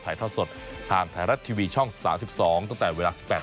ถ่ายทอดสดทางไทยรัฐทีวีช่องสามสิบสองตั้งแต่เวลาสิบแปด